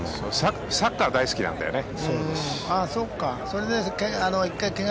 サッカーが大好きなんだよね。